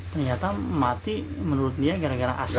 ternyata mati menurut dia gara gara asap